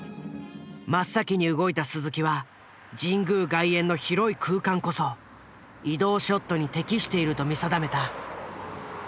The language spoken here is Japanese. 真っ先に動いた鈴木は神宮外苑の広い空間こそ移動ショットに適していると見定めた。